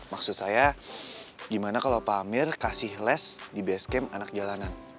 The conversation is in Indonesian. maksud saya gimana kalau pak amir kasih les di base camp anak jalanan